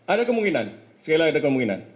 ada kemungkinan sekali lagi ada kemungkinan ya